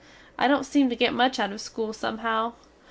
I dont seem to get much out of school somehow.